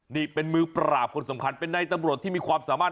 นี่เป็นมือปราบคนสำคัญเป็นในตำรวจที่มีความสามารถ